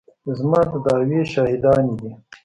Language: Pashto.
زما د دعوې شاهدانې دي.